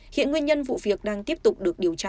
hiện nguyên nhân vụ việc đang tiếp tục được điều tra